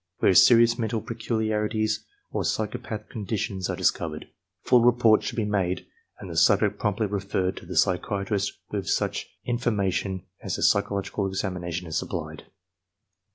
Where serious mental peculiarities or psychopathic conditions are discovered, full report should be made and the subject promptly referred to the psychiatrist with such informa tion as the psychological examination has supplied.